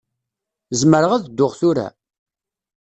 Zemreɣ ad dduɣ tura?